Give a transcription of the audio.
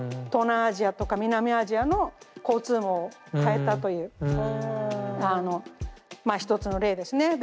東南アジアとか南アジアの交通網を変えたというまあ一つの例ですね。